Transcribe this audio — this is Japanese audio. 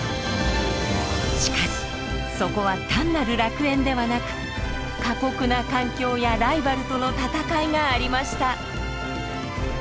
しかしそこは単なる楽園ではなく過酷な環境やライバルとの戦いがありました。